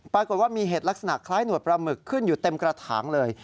ปรากฏว่ามีเห็ดลักษณะคล้ายหนวดปลาหมึกขึ้นอยู่เต็มกระถางเลย